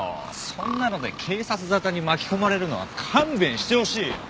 そんなので警察沙汰に巻き込まれるのは勘弁してほしいよ。